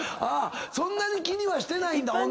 そんなに気にはしてないんだ